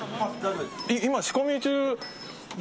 今、仕込み中で。